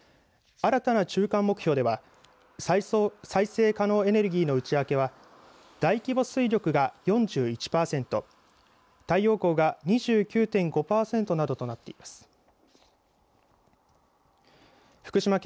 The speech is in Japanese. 新たな中間目標では再生可能エネルギーの内訳は大規模水力が４１パーセント太陽光が２９．５パーセントなどとなっています。